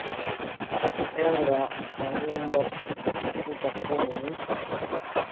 enga manyumba kutafuta kuni ni